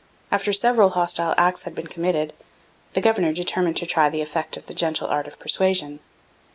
After several hostile acts had been committed, the governor determined to try the effect of the gentle art of persuasion.